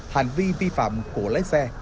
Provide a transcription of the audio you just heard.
hành vi vi phạm của lấy xe